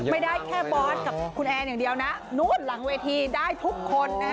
ไม่ได้แค่บอสกับคุณแอนอย่างเดียวนะนู้นหลังเวทีได้ทุกคนนะฮะ